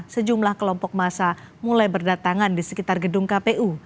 sejumlah kelompok masa mulai berdatangan di sekitar gedung kpu